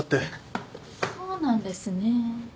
そうなんですね。